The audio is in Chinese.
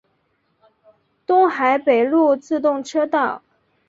东海北陆自动车道。